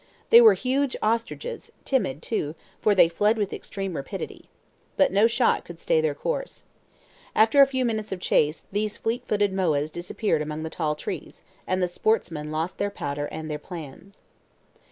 They were huge ostriches, timid too, for they fled with extreme rapidity. But no shot could stay their course. After a few minutes of chase, these fleet footed moas disappeared among the tall trees, and the sportsmen lost their powder and their pains.